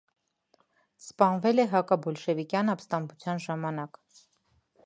Սպանվել է հակաբոլշևիկյան ապստամության ժամանակ։